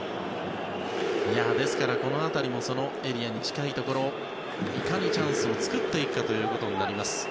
ですから、この辺りもエリアに近いところでいかにチャンスを作っていくかということになります。